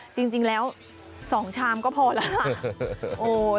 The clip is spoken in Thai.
จริงแล้ว๒ชามก็พอแล้วค่ะ